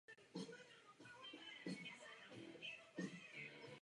Myslím, že mnozí z nás považují politiku Izraele za klamavou.